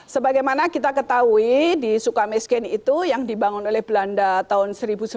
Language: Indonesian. sebagaimana kita ketahui di sukamiskin itu yang dibangun oleh belanda tahun seribu sembilan ratus sembilan puluh